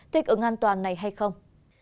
thích ứng an toàn này hay không